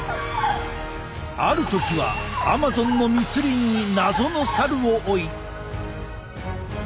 ある時はアマゾンの密林に謎のサルを追い。